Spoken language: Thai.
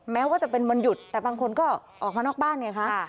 แม้ว่าจะเป็นวันหยุดแต่บางคนก็ออกมานอกบ้านไงคะ